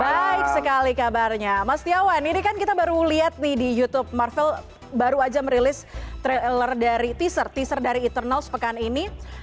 baik sekali kabarnya mas setiawan ini kan kita baru lihat di youtube marvel baru aja merilis teaser dari eternals pekan ini